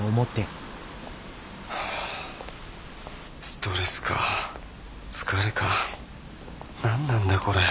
ストレスか疲れか何なんだこれ。